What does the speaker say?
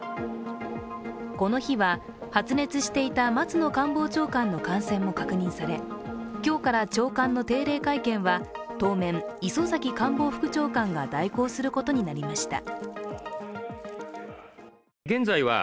この日は発熱していた松野官房長官の感染も確認され、今日から長官の定例会見は当面、磯崎官房副長官が代行することになりました。